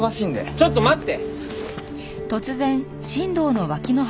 ちょっと待って！